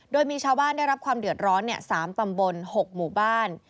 โดยมีชาวบ้านได้รับความเดือดร้อน๓ตำบล๖หมู่บ้าน